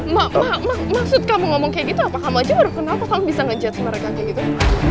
mak mak mak maksud kamu ngomong kayak gitu apa kamu aja baru kenapa kamu bisa nge judge mereka kayak gitu